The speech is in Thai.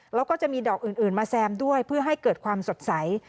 แล้วก็จะมีดอกอื่นมาแซมด้วยเพื่อให้เกิดความสดใส